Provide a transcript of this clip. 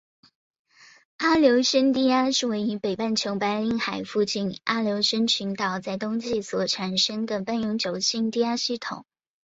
阿留申低压是位于北半球白令海邻近阿留申群岛在冬季所产生的半永久性低压系统。